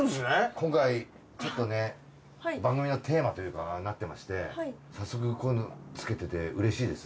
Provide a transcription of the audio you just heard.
今回番組のテーマになってまして早速こういうのつけててうれしいです。